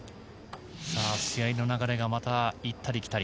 試合の流れがまた行ったり来たり。